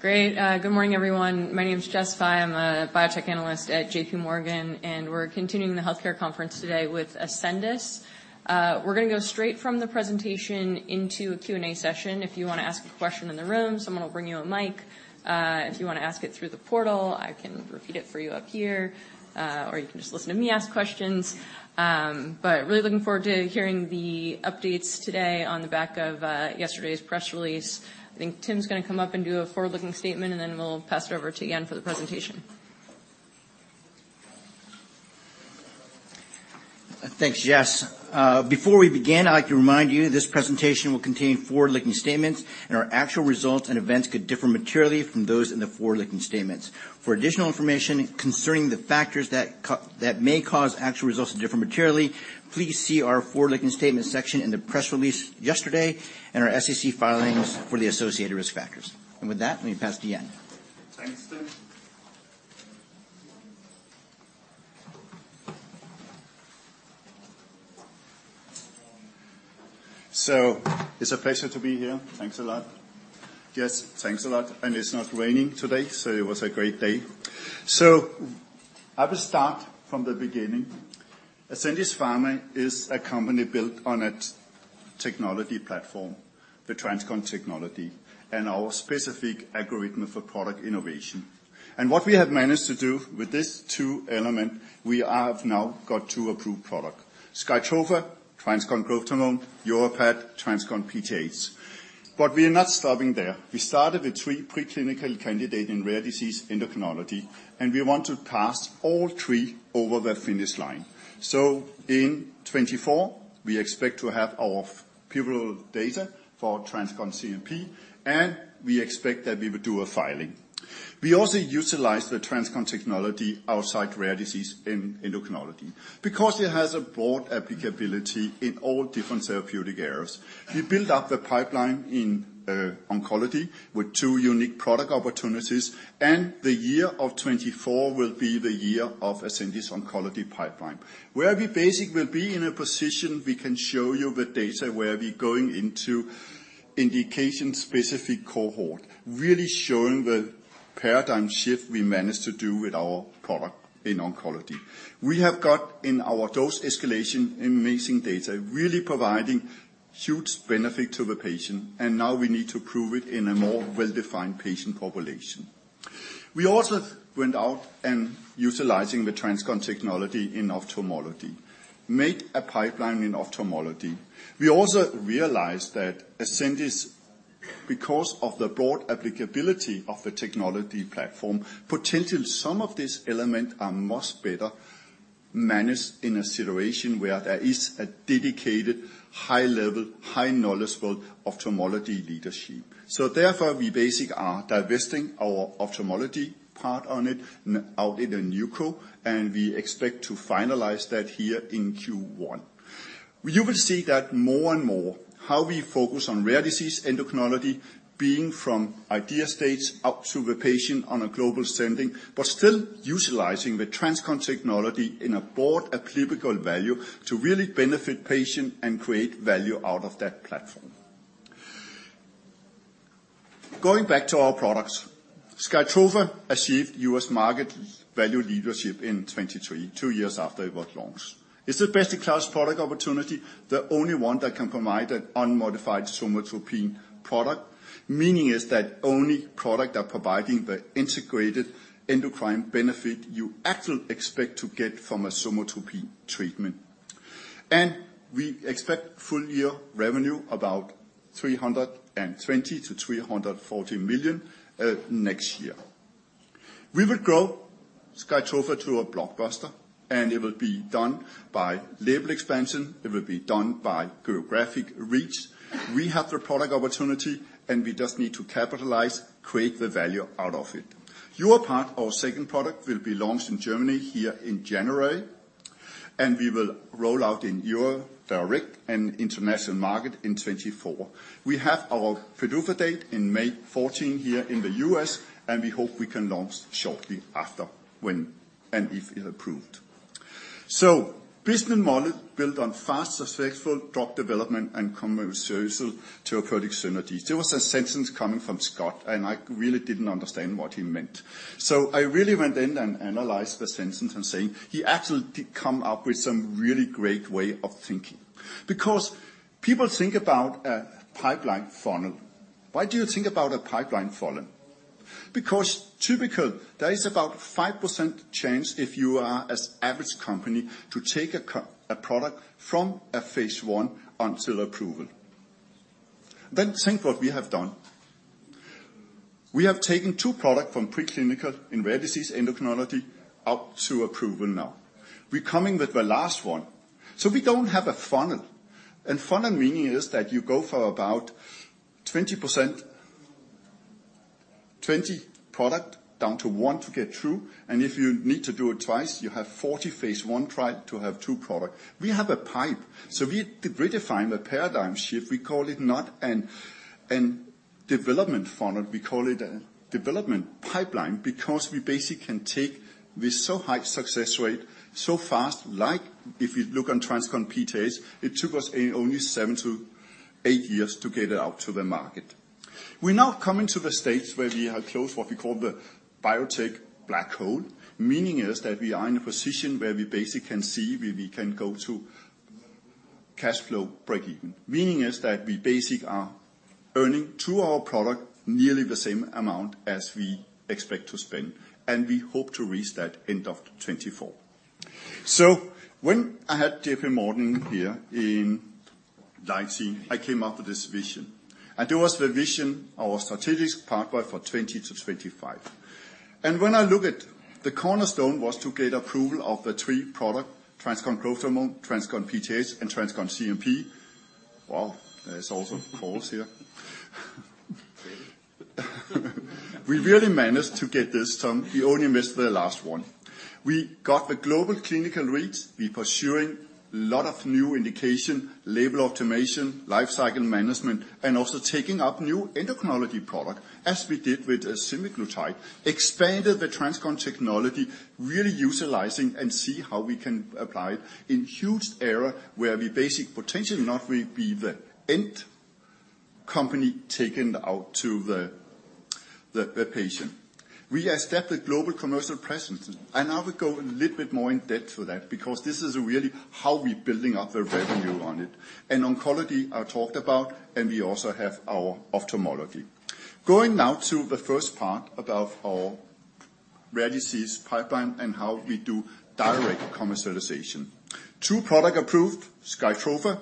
Great. Good morning, everyone. My name is Jessica Fye. I'm a biotech analyst at J.P. Morgan, and we're continuing the healthcare conference today with Ascendis. We're gonna go straight from the presentation into a Q&A session. If you wanna ask a question in the room, someone will bring you a mic. If you wanna ask it through the portal, I can repeat it for you up here, or you can just listen to me ask questions. But really looking forward to hearing the updates today on the back of yesterday's press release. I think Tim's gonna come up and do a forward-looking statement, and then we'll pass it over to Jan for the presentation. Thanks, Jess. Before we begin, I'd like to remind you this presentation will contain forward-looking statements, and our actual results and events could differ materially from those in the forward-looking statements. For additional information concerning the factors that may cause actual results to differ materially, please see our forward-looking statement section in the press release yesterday and our SEC filings for the associated risk factors. With that, let me pass to Jan. Thanks, Tim. So it's a pleasure to be here. Thanks a lot. Jess, thanks a lot. And it's not raining today, so it was a great day. So I will start from the beginning. Ascendis Pharma is a company built on a technology platform, the TransCon technology, and our specific algorithm for product innovation. And what we have managed to do with this two element, we have now got two approved product: SKYTROFA, TransCon Growth Hormone, YORVIPATH, TransCon PTH. But we are not stopping there. We started with three preclinical candidate in rare disease endocrinology, and we want to pass all three over the finish line. So in 2024, we expect to have our pivotal data for TransCon CNP, and we expect that we will do a filing. We also utilize the TransCon technology outside rare disease in endocrinology because it has a broad applicability in all different therapeutic areas. We built up the pipeline in oncology with two unique product opportunities, and the year of 2024 will be the year of Ascendis Oncology Pipeline, where we basically will be in a position we can show you the data, where we're going into indication-specific cohort, really showing the paradigm shift we managed to do with our product in oncology. We have got in our dose escalation, amazing data, really providing huge benefit to the patient, and now we need to prove it in a more well-defined patient population. We also went out and utilizing the TransCon technology in ophthalmology, make a pipeline in ophthalmology. We also realized that Ascendis, because of the broad applicability of the technology platform, potentially some of these elements are much better managed in a situation where there is a dedicated, high-level, high-knowledgeable ophthalmology leadership. So therefore, we basically are divesting our ophthalmology part on it out in a NewCo, and we expect to finalize that here in Q1. You will see that more and more, how we focus on rare disease endocrinology, being from idea stage up to the patient on a global standing, but still utilizing the TransCon technology in a broad applicable value to really benefit patient and create value out of that platform. Going back to our products, SKYTROFA achieved U.S. market value leadership in 2023, two years after it was launched. It's the best-in-class product opportunity, the only one that can provide an unmodified somatropin product, meaning is that only product are providing the integrated endocrine benefit you actually expect to get from a somatropin treatment. And we expect full year revenue about 320 million-340 million next year. We will grow SKYTROFA to a blockbuster, and it will be done by label expansion. It will be done by geographic reach. We have the product opportunity, and we just need to capitalize, create the value out of it. YORVIPATH, our second product, will be launched in Germany here in January, and we will roll out in Europe, direct and international market in 2024. We have our PDUFA date in May 14 here in the U.S., and we hope we can launch shortly after when and if it is approved. So business model built on fast, successful drug development and commercial therapeutic synergies. There was a sentence coming from Scott, and I really didn't understand what he meant. So I really went in and analyzed the sentence and saying, he actually did come up with some really great way of thinking. Because people think about a pipeline funnel. Why do you think about a pipeline funnel? Because typically, there is about a 5% chance if you are an average company to take a product from phase 1 until approval. Then think what we have done. We have taken two products from preclinical in rare disease endocrinology up to approval now. We're coming with the last one. So we don't have a funnel. And funnel meaning is that you go for about 20%... 20 products down to one to get through, and if you need to do it twice, you have 40 phase 1 trials to have two products. We have a pipe, so we redefine the paradigm shift. We call it not a development funnel. We call it a development pipeline because we basically can take with so high success rate, so fast, like if you look on TransCon PTH, it took us only 7-8 years to get it out to the market. We're now coming to the stage where we have closed what we call the biotech black hole, meaning is that we are in a position where we basically can see where we can go to cash flow break-even. Meaning is that we basically are earning to our product nearly the same amount as we expect to spend, and we hope to reach that end of 2024. So when I had J.P. Morgan here in 2019, I came up with this vision, and it was the vision, our strategic pathway for 2020-2025. When I look at the cornerstone was to get approval of the three product, TransCon Growth Hormone, TransCon PTH, and TransCon CNP. Wow, there's also calls here. We really managed to get this done. We only missed the last one. We got the global clinical reads. We're pursuing a lot of new indication, label optimization, life cycle management, and also taking up new endocrinology product, as we did with semaglutide, expanded the TransCon technology, really utilizing and see how we can apply it in huge area where we basically potentially not will be the end company taken out to the patient. We established global commercial presence, and I will go a little bit more in depth to that because this is really how we're building up the revenue on it. And oncology, I talked about, and we also have our ophthalmology. Going now to the first part about our rare disease pipeline and how we do direct commercialization. Two products approved, SKYTROFA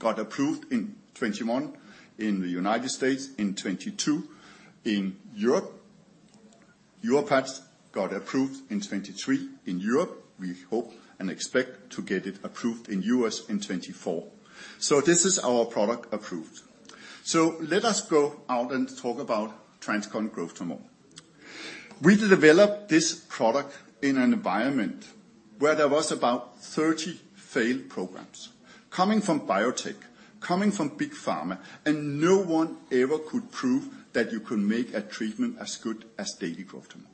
got approved in 2021 in the United States, in 2022 in Europe. YORVIPATH got approved in 2023 in Europe. We hope and expect to get it approved in the U.S. in 2024. So this is our product approved. So let us go out and talk about TransCon Growth Hormone. We developed this product in an environment where there was about 30 failed programs, coming from biotech, coming from big pharma, and no one ever could prove that you could make a treatment as good as daily growth hormone.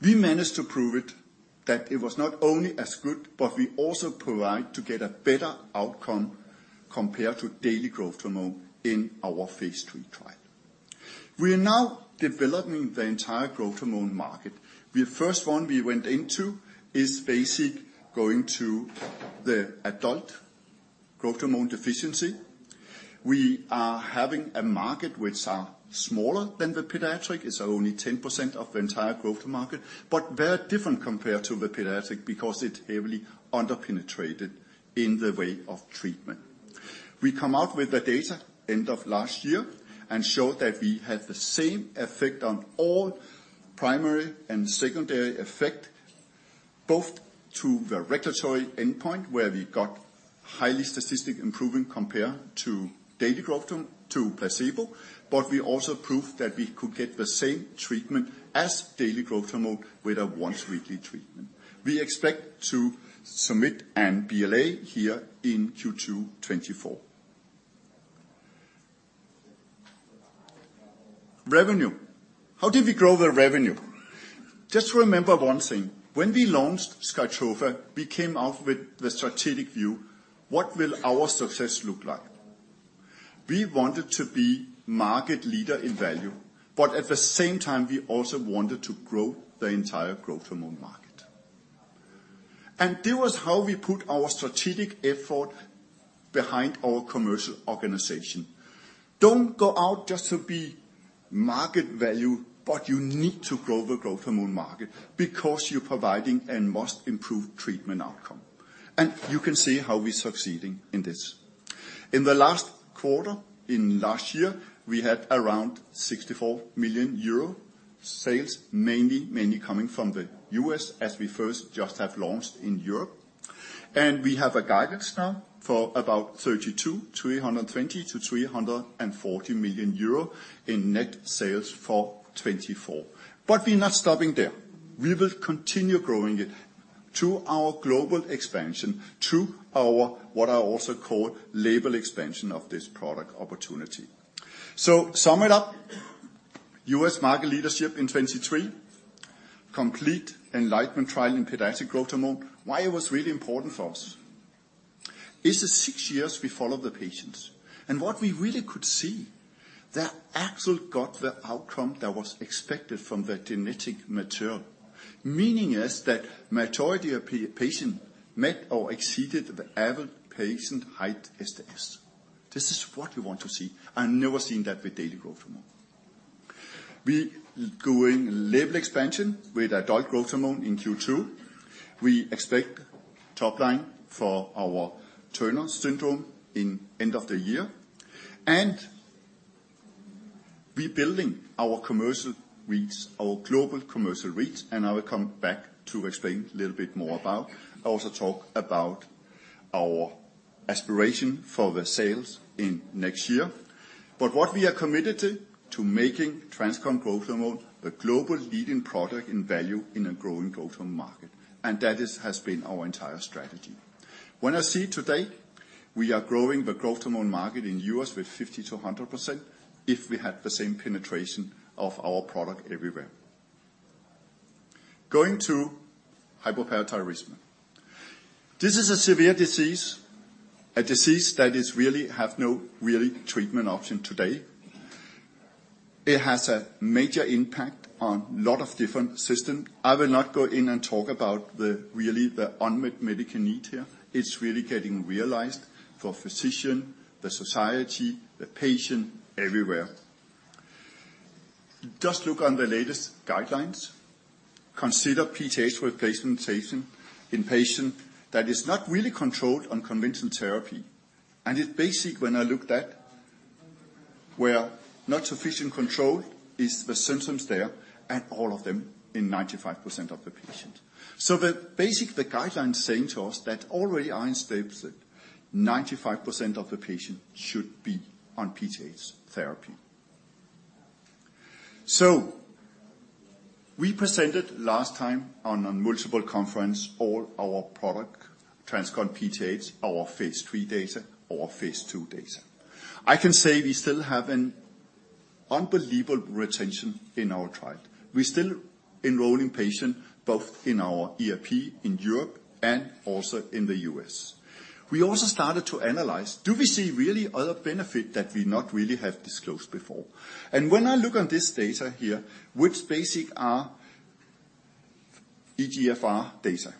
We managed to prove it, that it was not only as good, but we also provide to get a better outcome compared to daily growth hormone in our phase 3 trial. We are now developing the entire growth hormone market. The first one we went into is basically going to the adult growth hormone deficiency. We are having a market which are smaller than the pediatric, it's only 10% of the entire growth market, but very different compared to the pediatric because it's heavily under-penetrated in the way of treatment. We come out with the data end of last year and showed that we had the same effect on all primary and secondary effect, both to the regulatory endpoint, where we got highly statistical improvement compared to daily growth hormone to placebo, but we also proved that we could get the same treatment as daily growth hormone with a once-weekly treatment. We expect to submit a BLA here in Q2 2024. Revenue. How did we grow the revenue? Just remember one thing, when we launched SKYTROFA, we came out with the strategic view, what will our success look like? We wanted to be market leader in value, but at the same time, we also wanted to grow the entire growth hormone market. This was how we put our strategic effort behind our commercial organization. Don't go out just to be market value, but you need to grow the growth hormone market because you're providing a much improved treatment outcome. And you can see how we're succeeding in this. In the last quarter, in last year, we had around 64 million euro sales, mainly, mainly coming from the US, as we first just have launched in Europe. And we have a guidance now for about 320-340 million euro in net sales for 2024. But we're not stopping there. We will continue growing it to our global expansion, to our, what I also call, label expansion of this product opportunity. So sum it up, U.S. market leadership in 2023, complete heiGHt Trial in pediatric growth hormone. Why it was really important for us? This is 6 years we followed the patients, and what we really could see, they actually got the outcome that was expected from the genetic material. Meaning is that majority of patient met or exceeded the average patient Height SDS. This is what we want to see. I've never seen that with daily growth hormone. We going label expansion with adult growth hormone in Q2. We expect top line for our Turner Syndrome in end of the year, and we building our commercial readiness, our global commercial readiness, and I will come back to explain a little bit more about. I also talk about our aspiration for the sales in next year. But what we are committed to, to making TransCon Growth Hormone the global leading product in value in a growing growth hormone market, and that is—has been our entire strategy. When I see today, we are growing the growth hormone market in the U.S. with 50%-100%, if we had the same penetration of our product everywhere.... Going to hypoparathyroidism. This is a severe disease, a disease that is really have no really treatment option today. It has a major impact on a lot of different system. I will not go in and talk about the really, the unmet medical need here. It's really getting realized for physician, the society, the patient, everywhere. Just look on the latest guidelines. Consider PTH replacement taken in patient that is not really controlled on conventional therapy, and it's basic, when I looked at, where not sufficient control is the symptoms there, and all of them in 95% of the patients. So the basics, the guidelines saying to us that already European states that 95% of the patients should be on PTH therapy. So we presented last time at a medical conference, all our product, TransCon PTH, our phase 3 data, our phase 2 data. I can say we still have an unbelievable retention in our trial. We still enrolling patients, both in our EU in Europe and also in the U.S. We also started to analyze, do we see really other benefit that we not really have disclosed before? When I look on this data here, which basically are eGFR data,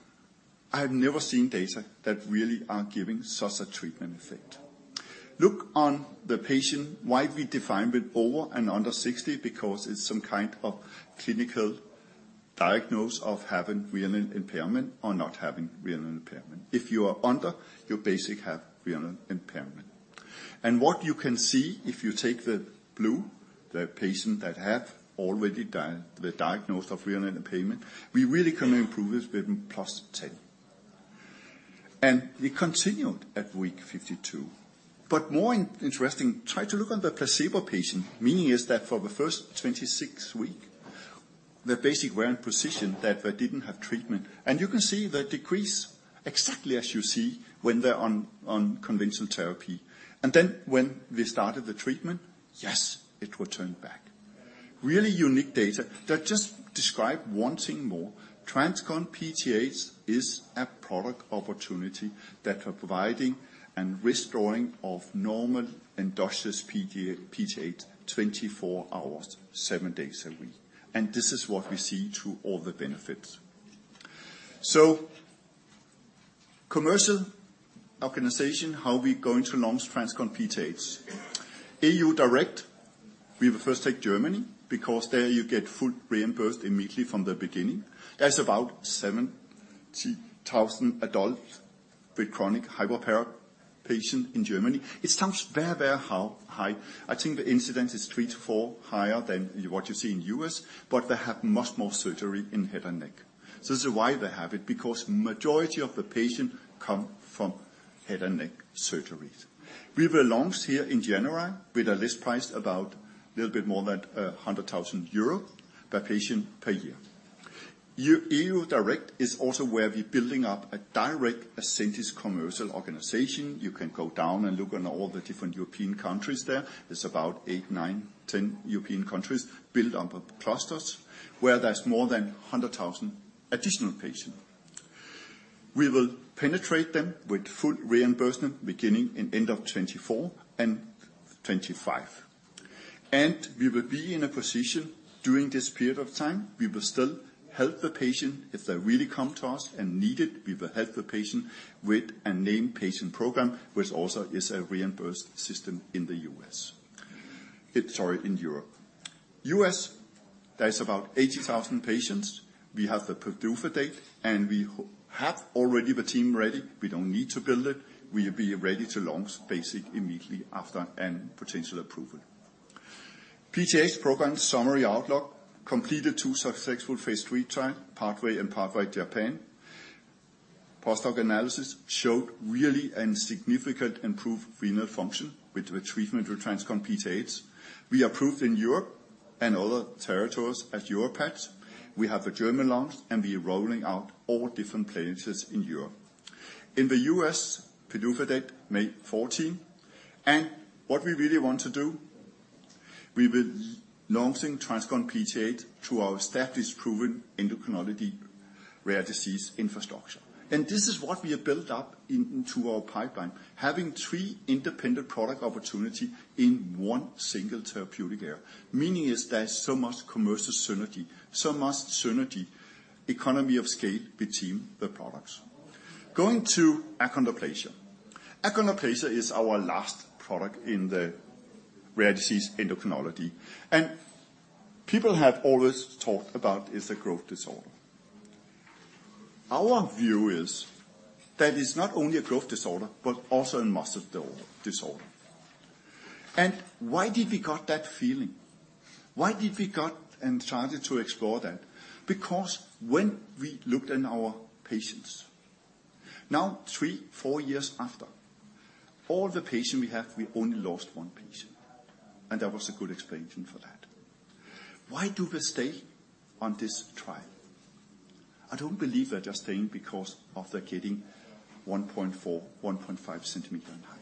I have never seen data that really are giving such a treatment effect. Look on the patient, why we define with over and under 60, because it's some kind of clinical diagnosis of having renal impairment or not having renal impairment. If you are under, you basically have renal impairment. And what you can see, if you take the blue, the patient that have already the diagnosis of renal impairment, we really can improve this with +10. And we continued at week 52. But more interesting, try to look on the placebo patient, meaning is that for the first 26-week, the baseline were in position that they didn't have treatment. And you can see the decrease, exactly as you see when they're on conventional therapy. And then when we started the treatment, yes, it returned back. Really unique data that just describe one thing more. TransCon PTH is a product opportunity that are providing and restoring of normal and dosage PTH 24 hours, 7 days a week. And this is what we see through all the benefits. So commercial organization, how we going to launch TransCon PTH? E.U. direct, we will first take Germany, because there you get full reimbursement immediately from the beginning. There's about 70,000 adults with chronic hypoparathyroidism patients in Germany. It sounds very, very high, high. I think the incidence is 3-4 higher than what you see in U.S., but they have much more surgery in head and neck. So this is why they have it, because majority of the patient come from head and neck surgeries. We will launch here in January with a list price about a little bit more than 100,000 euro per patient per year. EU Direct is also where we're building up a direct Ascendis commercial organization. You can go down and look on all the different European countries there. There's about 8, 9, 10 European countries built up of clusters, where there's more than 100,000 additional patients. We will penetrate them with full reimbursement, beginning in end of 2024 and 2025. We will be in a position during this period of time; we will still help the patient if they really come to us and need it, we will help the patient with a named patient program, which also is a reimbursed system in Europe. In the US, there is about 80,000 patients. We have the PDUFA date, and we have already the team ready. We don't need to build it. We'll be ready to launch basic immediately after any potential approval. PTH program summary outlook: completed two successful phase 3 trial, PaTHway and PaTHway Japan. Post hoc analysis showed really a significant improved renal function with the treatment with TransCon PTH. We approved in Europe and other territories as YORVIPATH. We have a German launch, and we are rolling out all different places in Europe. In the U.S., PDUFA date, May 14, and what we really want to do, we will launching TransCon PTH through our established proven endocrinology rare disease infrastructure. And this is what we have built up into our pipeline, having three independent product opportunity in one single therapeutic area. Meaning is there is so much commercial synergy, so much synergy, economy of scale between the products. Going to achondroplasia. Achondroplasia is our last product in the rare disease endocrinology, and people have always talked about it's a growth disorder. Our view is that it's not only a growth disorder, but also a muscle disorder. And why did we got that feeling? Why did we got and started to explore that? Because when we looked in our patients, now, 3, 4 years after, all the patients we have, we only lost one patient, and there was a good explanation for that. Why do they stay on this trial? I don't believe they're just staying because of they're getting 1.4, 1.5 cm in height....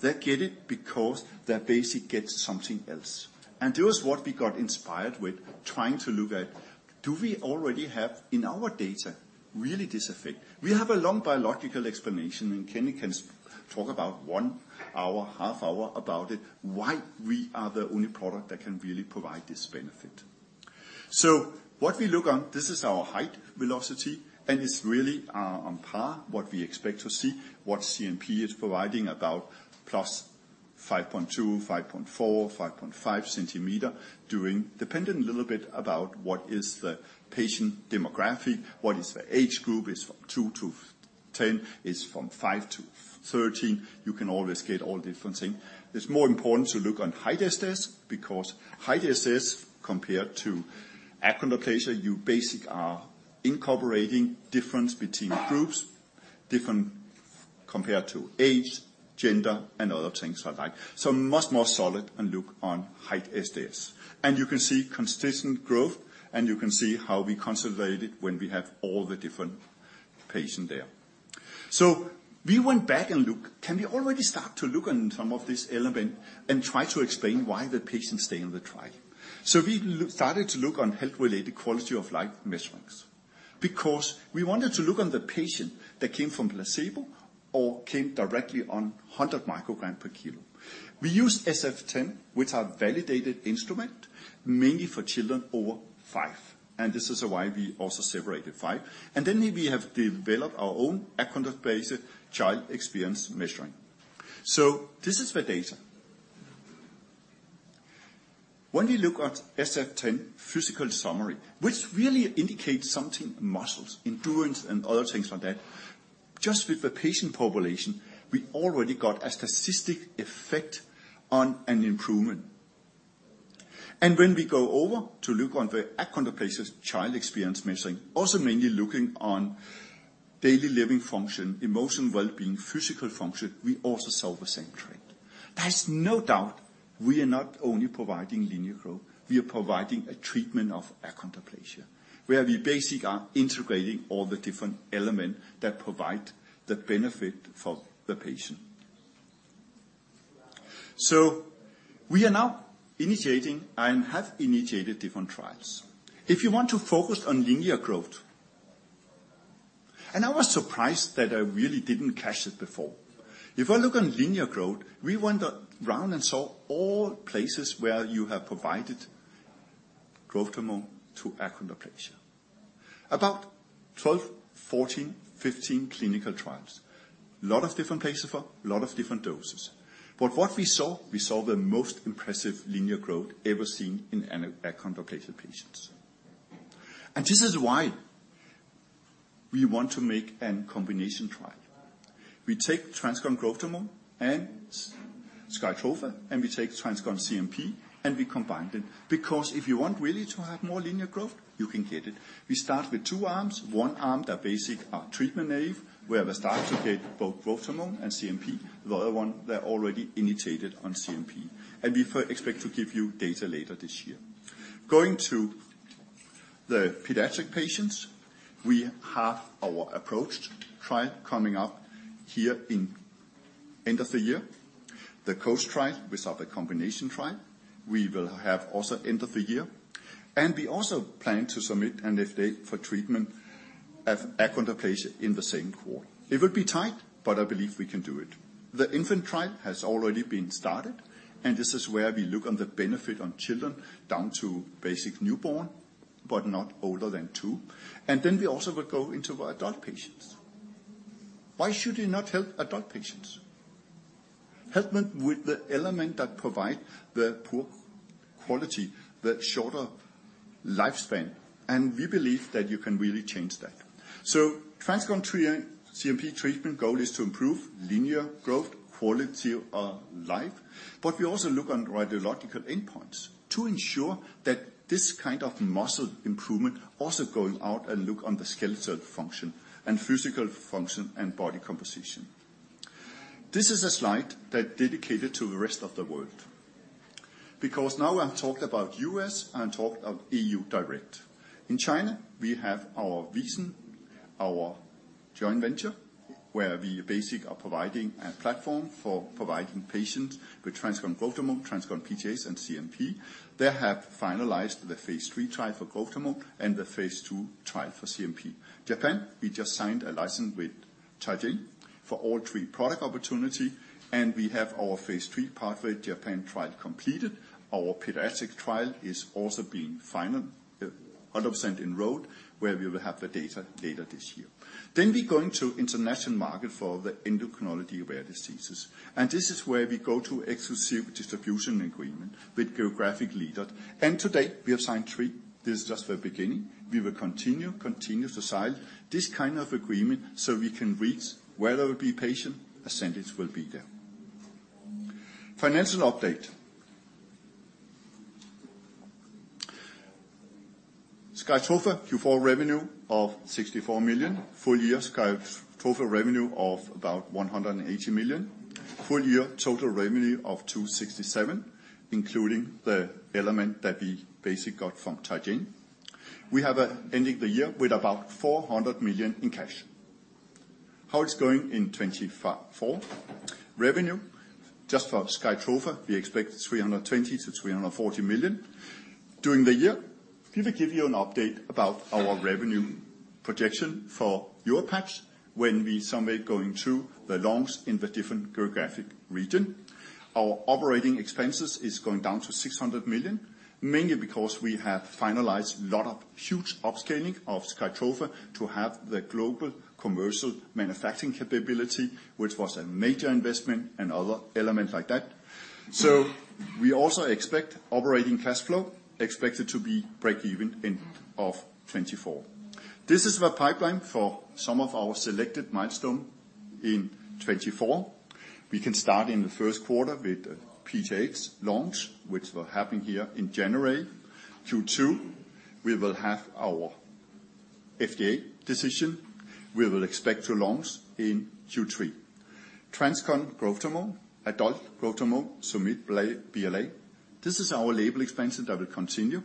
They get it because they basically get something else. And this is what we got inspired with, trying to look at, do we already have in our data, really this effect? We have a long biological explanation, and Kenny can talk about one hour, half hour about it, why we are the only product that can really provide this benefit. So what we look on, this is our height velocity, and it's really on par what we expect to see, what CNP is providing, about +5.2, 5.4, 5.5 cm during, depending a little bit about what is the patient demographic, what is the age group, is from 2 to 10, is from 5 to 13. You can always get all different things. It's more important to look on height SDS, because height SDS, compared to achondroplasia, you're basically incorporating difference between groups, different compared to age, gender, and other things like that. So much more solid and look on height SDS. You can see consistent growth, and you can see how we consolidate it when we have all the different patient there. We went back and look, can we already start to look on some of this element and try to explain why the patients stay on the trial? We started to look on health-related quality of life measurements, because we wanted to look on the patient that came from placebo or came directly on 100 microgram per kilo. We use SF-10, which are validated instrument, mainly for children over five, and this is why we also separated five. Then we have developed our own Achondroplasia Child Experience Measure. This is the data. When you look at SF-10 physical summary, which really indicates something, muscles, endurance, and other things like that, just with the patient population, we already got a statistical effect on an improvement. When we go over to look at the Achondroplasia Child Experience Survey, also mainly looking at daily living function, emotional well-being, physical function, we also saw the same trend. There's no doubt we are not only providing linear growth, we are providing a treatment of achondroplasia, where we basically are integrating all the different elements that provide the benefit for the patient. We are now initiating and have initiated different trials. If you want to focus on linear growth, and I was surprised that I really didn't catch it before. If I look at linear growth, we went around and saw all places where you have provided growth hormone to achondroplasia. About 12, 14, 15 clinical trials, lot of different places for, lot of different doses. But what we saw, we saw the most impressive linear growth ever seen in an achondroplasia patients. And this is why we want to make a combination trial. We take TransCon Growth Hormone and SKYTROFA, and we take TransCon CNP, and we combine them, because if you want really to have more linear growth, you can get it. We start with two arms. One arm, they basically are treatment naive, where they start to get both growth hormone and CNP. The other one, they're already initiated on CNP, and we expect to give you data later this year. Going to the pediatric patients, we have our ApproaCH Trial coming up here in end of the year. The combo trial, which are the combination trial, we will have also end of the year. We also plan to submit an FDA for treatment of achondroplasia in the same quarter. It will be tight, but I believe we can do it. The infant trial has already been started, and this is where we look on the benefit on children down to basic newborn, but not older than two. We also will go into our adult patients. Why should we not help adult patients? Help them with the element that provide the poor quality, the shorter lifespan, and we believe that you can really change that. So TransCon CNP treatment goal is to improve linear growth, quality of life, but we also look on radiological endpoints to ensure that this kind of muscle improvement also going out and look on the skeletal function and physical function and body composition. This is a slide that's dedicated to the rest of the world, because now I've talked about U.S., and talked about EU direct. In China, we have our VISEN, our joint venture, where we basically are providing a platform for providing patients with TransCon Growth Hormone, TransCon PTH, and CNP. They have finalized the phase 3 trial for growth hormone and the phase 2 trial for CNP. Japan, we just signed a license with Teijin for all three product opportunity, and we have our phase 3 pathway Japan trial completed. Our pediatric trial is also being finalized 100% enrolled, where we will have the data later this year. Then we're going to international market for the endocrinology rare diseases, and this is where we go to exclusive distribution agreement with geographic leaders. And to date, we have signed three. This is just the beginning. We will continue, continue to sign this kind of agreement so we can reach where there will be patients, Ascendis will be there. Financial update. SKYTROFA Q4 revenue of 64 million. Full year SKYTROFA revenue of about 180 million. Full year total revenue of 267 million, including the element that we basically got from Teijin.... we have ending the year with about 400 million in cash. How it's going in 2024? Revenue just for SKYTROFA, we expect 320 million-340 million. During the year, we will give you an update about our revenue projection for Yorvipath, when we somewhere going through the launches in the different geographic region. Our operating expenses is going down to 600 million, mainly because we have finalized a lot of huge upscaling of SKYTROFA to have the global commercial manufacturing capability, which was a major investment and other elements like that. So we also expect operating cash flow, expected to be breakeven end of 2024. This is the pipeline for some of our selected milestone in 2024. We can start in the first quarter with PTH launch, which will happen here in January. Q2, we will have our FDA decision. We will expect to launch in Q3. TransCon Growth Hormone, Adult Growth Hormone, submit BLA. This is our label expansion that will continue,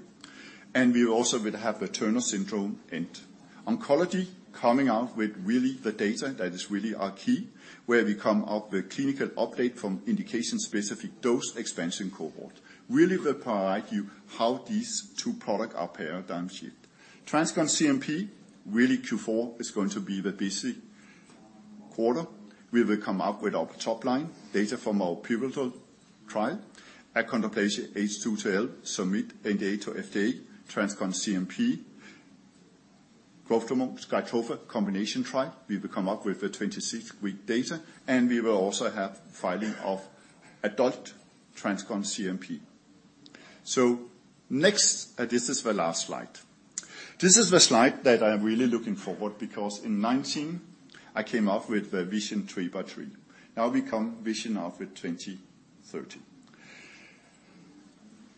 and we also will have the Turner Syndrome end. Oncology, coming out with really the data that is really our key, where we come up with clinical update from indication-specific dose expansion cohort. We'll provide you how these two products are paired downshift. TransCon CNP, really Q4 is going to be the busy quarter. We will come up with our top line data from our pivotal trial. Achondroplasia, H2 we'll submit NDA to FDA, TransCon CNP. Growth Hormone, SKYTROFA combination trial, we will come up with the 26-week data, and we will also have filing of adult TransCon CNP. So next, this is the last slide. This is the slide that I'm really looking forward to, because in 2019, I came up with the Vision 3x3. Now we have our Vision 2030.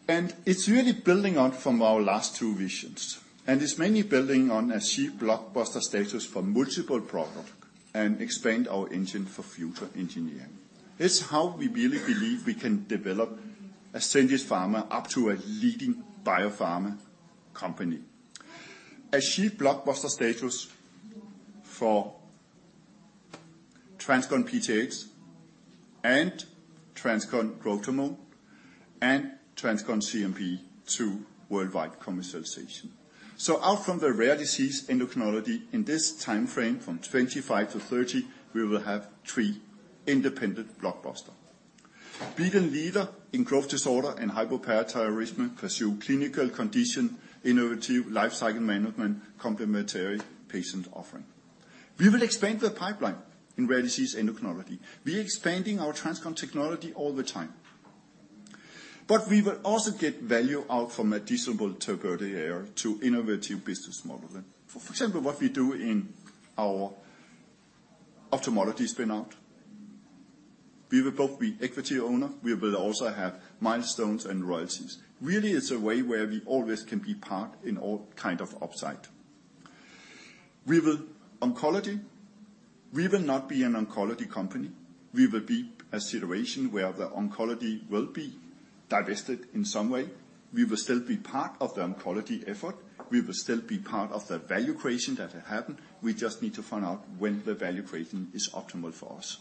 And it's really building on our last two visions, and it's mainly building on achieving blockbuster status for multiple products and expanding our engine for future engineering. It's how we really believe we can develop Ascendis Pharma up to a leading biopharma company. Achieve blockbuster status for TransCon PTH, and TransCon Growth Hormone, and TransCon CNP to worldwide commercialization. So out from the rare disease endocrinology in this time frame, from 25 to 30, we will have three independent blockbuster. Be the leader in growth disorder and hypoparathyroidism, pursue clinical condition, innovative lifecycle management, complementary patient offering. We will expand the pipeline in rare disease endocrinology. We are expanding our TransCon technology all the time. But we will also get value out from additional therapeutic area to innovative business model. For example, what we do in our ophthalmology spin-out. We will both be equity owner, we will also have milestones and royalties. Really, it's a way where we always can be part in all kind of upside. We will... Oncology, we will not be an oncology company. We will be a situation where the oncology will be divested in some way. We will still be part of the oncology effort. We will still be part of the value creation that will happen. We just need to find out when the value creation is optimal for us.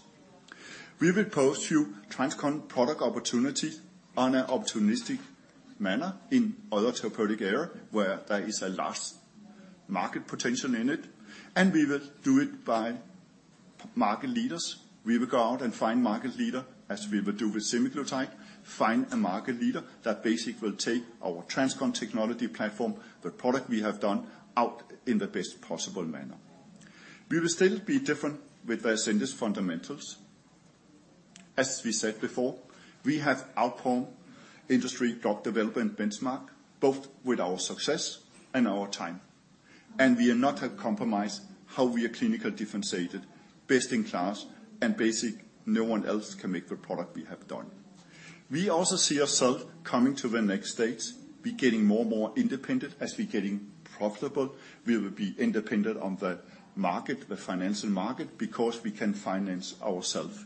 We will pursue TransCon product opportunities on an opportunistic manner in other therapeutic area, where there is a large market potential in it, and we will do it by market leaders. We will go out and find market leader, as we will do with Semaglutide, find a market leader that basically will take our TransCon technology platform, the product we have done, out in the best possible manner. We will still be different with the Ascendis fundamentals. As we said before, we have outdone industry drug development benchmarks, both with our success and our time, and we have not compromised how we are clinically differentiated, best in class, and basically, no one else can make the product we have done. We also see ourselves coming to the next stage, being more and more independent. As we're getting profitable, we will be independent of the financial markets, because we can finance ourselves.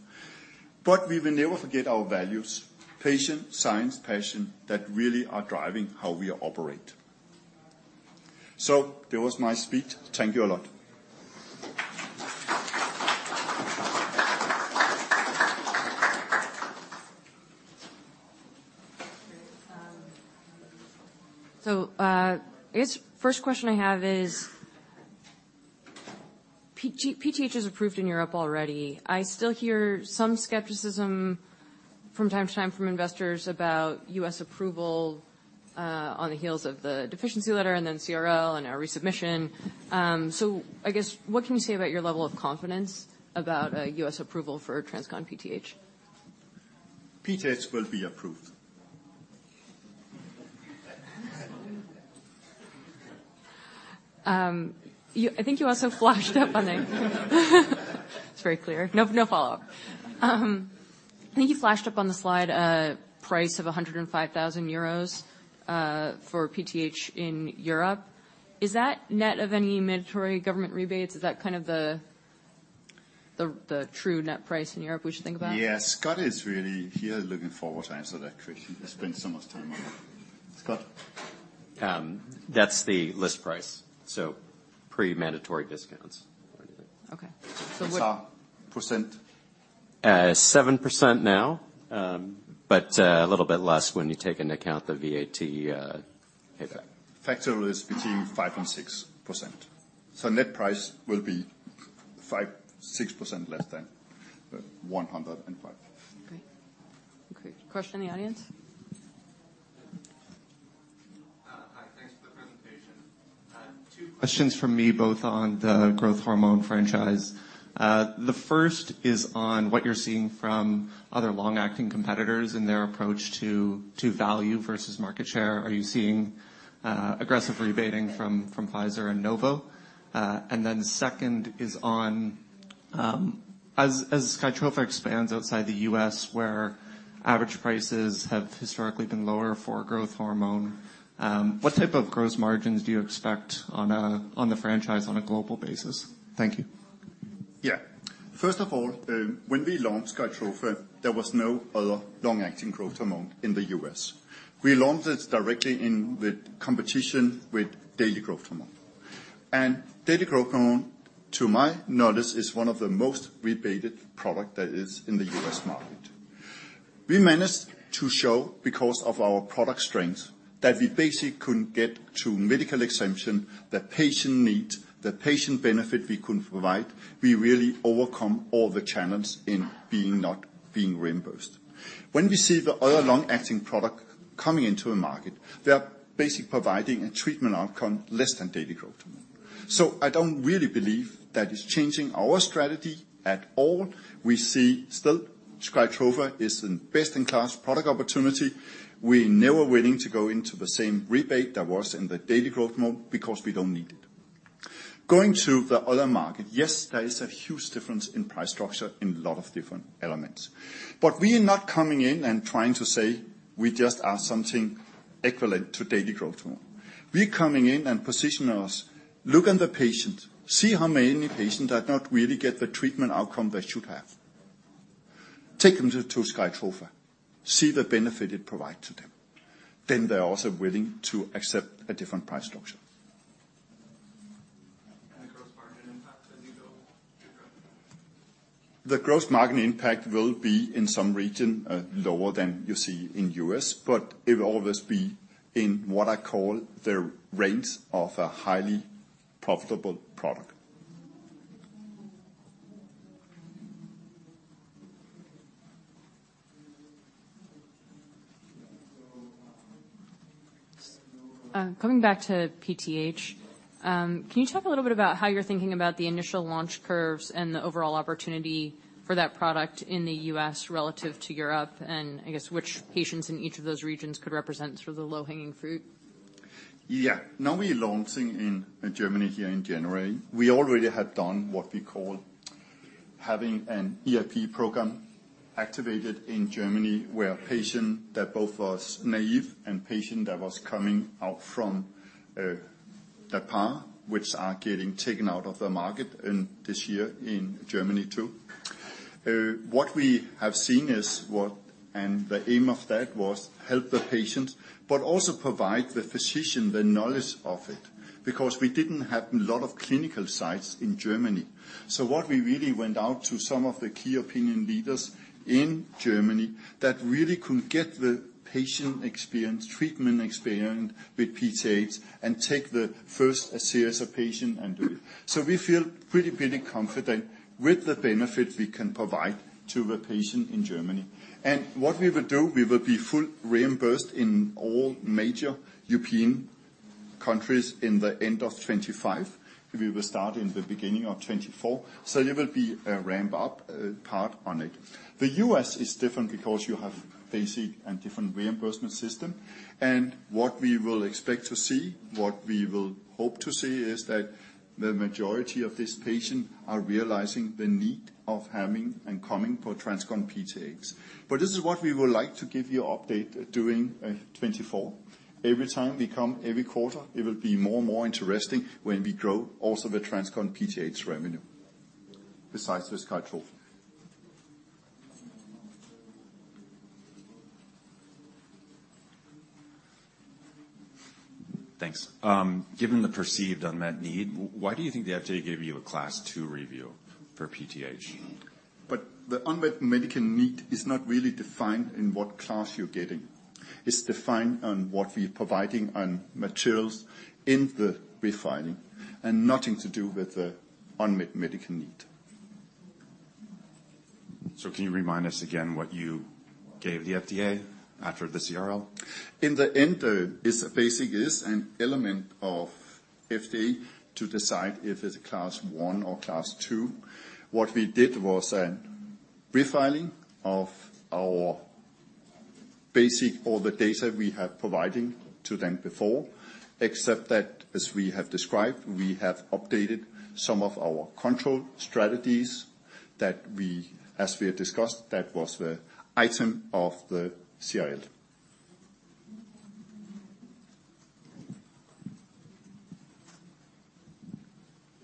But we will never forget our values: patient, science, passion, that really are driving how we operate. So that was my speech. Thank you a lot. So, I guess first question I have is, TransCon PTH is approved in Europe already. I still hear some skepticism from time to time from investors about U.S. approval, on the heels of the deficiency letter and then CRL and our resubmission. So I guess, what can you say about your level of confidence about a U.S. approval for TransCon PTH? PTH will be approved. I think you also flashed up on the slide a price of EUR 105,000 for PTH in Europe. Is that net of any mandatory government rebates? Is that kind of the-the true net price in Europe we should think about? Yes, Scott is really here looking forward to answer that question. He spent so much time on it. Scott? That's the list price, so pre-mandatory discounts or anything. Okay. So what- It's a percent? 7% now, but a little bit less when you take into account the VAT impact. Factor is between 5% and 6%. So net price will be 5-6% less than 105. Okay. Okay. Question in the audience? Hi, thanks for the presentation. Two questions from me, both on the growth hormone franchise. The first is on what you're seeing from other long-acting competitors and their approach to value versus market share. Are you seeing aggressive rebating from Pfizer and Novo? And then second is on, as SKYTROFA expands outside the U.S., where average prices have historically been lower for growth hormone, what type of gross margins do you expect on the franchise on a global basis? Thank you. Yeah. First of all, when we launched Skytrofa, there was no other long-acting growth hormone in the U.S. We launched it directly in the competition with daily growth hormone. And daily growth hormone, to my knowledge, is one of the most rebated product that is in the U.S. market. We managed to show, because of our product strength, that we basically could get to medical exemption, the patient need, the patient benefit we could provide. We really overcome all the challenge in not being reimbursed. When we see the other long-acting product coming into a market, they are basically providing a treatment outcome less than daily growth hormone. So I don't really believe that is changing our strategy at all. We see still, Skytrofa is the best-in-class product opportunity. We're never willing to go into the same rebate that was in the daily growth mode because we don't need it. Going to the other market, yes, there is a huge difference in price structure in a lot of different elements. But we are not coming in and trying to say we just are something equivalent to daily growth hormone. We're coming in and position us, look at the patient, see how many patients that not really get the treatment outcome they should have. Take them to SKYTROFA, see the benefit it provide to them, then they're also willing to accept a different price structure. The gross margin impact as you go to growth? The gross margin impact will be in some region, lower than you see in U.S., but it will always be in what I call the range of a highly profitable product. Coming back to PTH, can you talk a little bit about how you're thinking about the initial launch curves and the overall opportunity for that product in the U.S. relative to Europe, and I guess which patients in each of those regions could represent sort of the low-hanging fruit? Yeah. Now we're launching in Germany here in January. We already have done what we call having an EAP program activated in Germany, where a patient that both was naive and patient that was coming out from the PTH, which are getting taken out of the market in this year in Germany, too. What we have seen is what. And the aim of that was help the patient, but also provide the physician the knowledge of it, because we didn't have a lot of clinical sites in Germany. So what we really went out to some of the key opinion leaders in Germany that really could get the patient experience, treatment experience with PTH and take the first series of patient and do it. So we feel pretty, pretty confident with the benefit we can provide to the patient in Germany. What we will do, we will be fully reimbursed in all major European countries in the end of 2025. We will start in the beginning of 2024. So there will be a ramp up, part on it. The U.S. is different because you have basic and different reimbursement system. And what we will expect to see, what we will hope to see, is that the majority of this patient are realizing the need of having and coming for TransCon PTH. But this is what we would like to give you update during 2024. Every time we come, every quarter, it will be more and more interesting when we grow also the TransCon PTH revenue, besides the SKYTROFA. Thanks. Given the perceived unmet need, why do you think the FDA gave you a Class 2 Review for PTH? But the unmet medical need is not really defined in what class you're getting. It's defined on what we're providing on materials in the refiling, and nothing to do with the unmet medical need. Can you remind us again what you gave the FDA after the CRL? In the end, it's basically an element of the FDA to decide if it's a Class 1 or Class 2. What we did was a refiling of our BLA, all the data we had provided to them before, except that, as we have described, we have updated some of our control strategies that we, as we had discussed, that was the item of the CRL.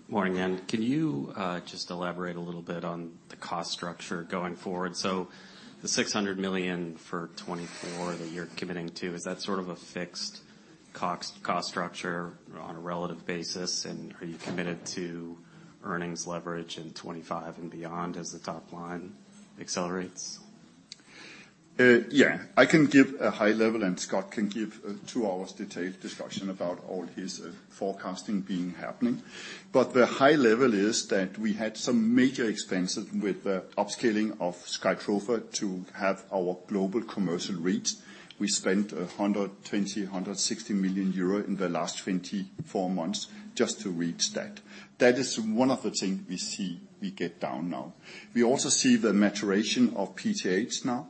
Morning, again. Can you just elaborate a little bit on the cost structure going forward? So the 600 million for '2024 that you're committing to, is that sort of a fixed cost structure on a relative basis? And are you committed to earnings leverage in '2025 and beyond as the top line accelerates? Yeah, I can give a high level, and Scott can give two hours detailed discussion about all his forecasting being happening. But the high level is that we had some major expenses with the upscaling of SKYTROFA to have our global commercial reach. We spent 120 million-160 million euro in the last 24 months just to reach that. That is one of the things we see we get down now. We also see the maturation of PTH now.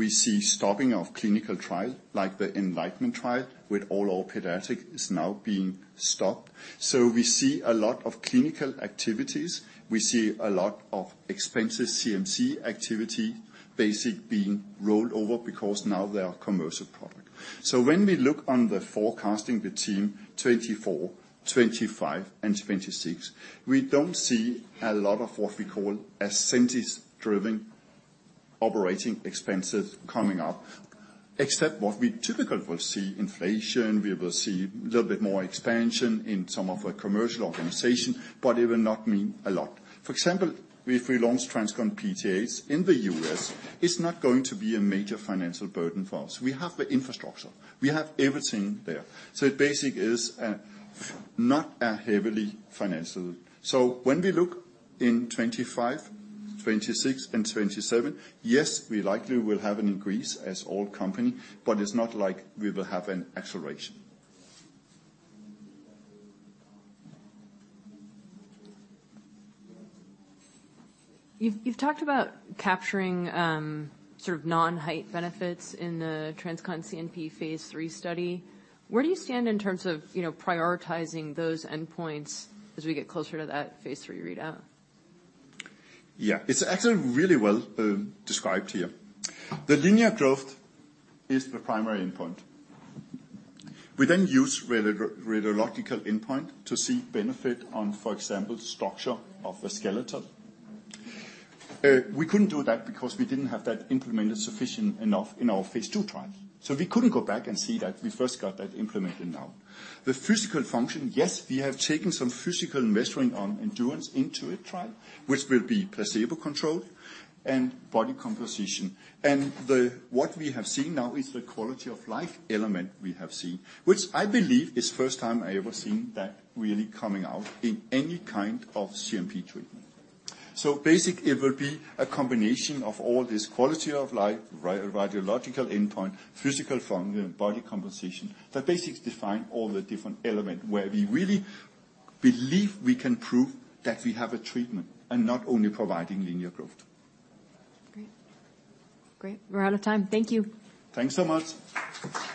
We see stopping of clinical trial, like the enliGHten Trial, with all our pediatric is now being stopped. So we see a lot of clinical activities. We see a lot of expensive CMC activity, basic being rolled over because now they are commercial product. So when we look on the forecasting, the team, 2024, 2025 and 2026, we don't see a lot of what we call a sales-driven operating expenses coming up, except what we typically will see, inflation, we will see a little bit more expansion in some of our commercial organization, but it will not mean a lot. For example, if we launch TransCon PTH in the U.S., it's not going to be a major financial burden for us. We have the infrastructure, we have everything there. So it basically is not heavily financial. So when we look in 2025, 2026 and 2027, yes, we likely will have an increase as all companies, but it's not like we will have an acceleration. You've, you've talked about capturing, sort of non-height benefits in the TransCon CNP phase 3 study. Where do you stand in terms of, you know, prioritizing those endpoints as we get closer to that phase 3 readout? Yeah, it's actually really well described here. The linear growth is the primary endpoint. We then use radiological endpoint to see benefit on, for example, structure of the skeleton. We couldn't do that because we didn't have that implemented sufficient enough in our phase II trial. So we couldn't go back and see that. We first got that implemented now. The physical function, yes, we have taken some physical measuring on endurance into a trial, which will be placebo-controlled and body composition. And what we have seen now is the quality of life element we have seen, which I believe is first time I ever seen that really coming out in any kind of CNP treatment. So basically, it will be a combination of all this quality of life, radiological endpoint, physical function, body composition, that basically define all the different element, where we really believe we can prove that we have a treatment and not only providing linear growth. Great. Great, we're out of time. Thank you. Thanks so much.